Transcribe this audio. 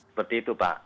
seperti itu pak